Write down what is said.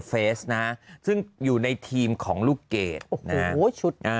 แป๊บ